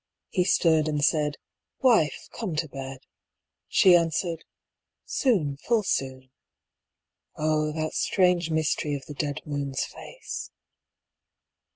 He stirred and said, "Wife, come to bed"; She answered, "Soon, full soon." (Oh! that strange mystery of the dead moon's face.)